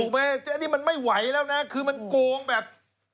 อันนี้มันไม่ไหวแล้วนะคือมันโกงแบบ